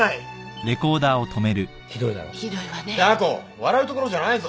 笑うところじゃないぞ。